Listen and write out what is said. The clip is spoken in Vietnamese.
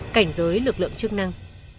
cảnh giới lực lượng chức năng